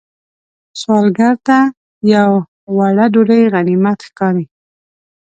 سوالګر ته یو غوړه ډوډۍ غنیمت ښکاري